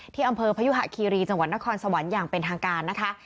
ที่อำเภอพยุหะคีรีจังหวัดนครสวรรค์อย่างเป็นทางการนะคะ